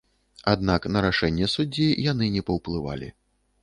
Аднак на рашэнне суддзі яны не паўплывалі.